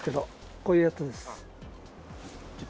こういうやつです。